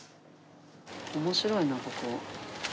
面白いなここ。